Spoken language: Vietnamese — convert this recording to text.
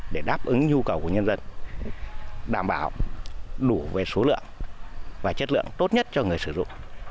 để đáp ứng nhu cầu của nhân dân đảm bảo đủ về số lượng và chất lượng tốt nhất cho người sử dụng